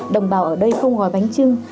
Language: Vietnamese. đồng bào ở đây không gói bánh chưng